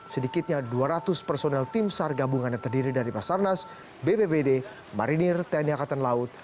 sedikitnya dua ratus personel tim sar gabungan yang terdiri dari basarnas bbbd marinir tni angkatan laut